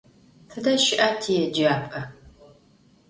Tıde şı'a tiêcap'e?